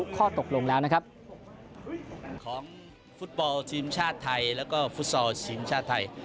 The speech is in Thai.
ของฟุตบอลกีฬธีมชาติไทยและก็ฟุตสอลทีมชาติไทย